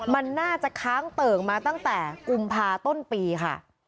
มันน่าจะค้างเติ่งมาตั้งแต่กุมภาต้นปีค่ะ